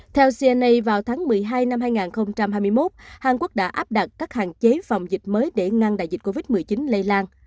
theo cnni vào tháng một mươi hai năm hai nghìn hai mươi một hàn quốc đã áp đặt các hạn chế phòng dịch mới để ngăn đại dịch covid một mươi chín lây lan